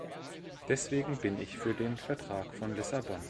Deswegen bin ich für den Vertrag von Lissabon.